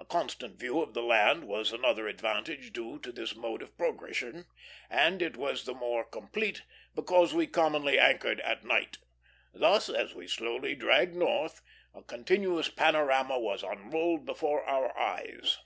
A constant view of the land was another advantage due to this mode of progression, and it was the more complete because we commonly anchored at night. Thus, as we slowly dragged north, a continuous panorama was unrolled before our eyes.